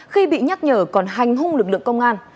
khi bị nhắc nhở còn hành hung lực lượng công an